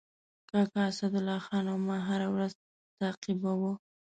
کاکا اسدالله خان او ما هره ورځ تعقیباوه.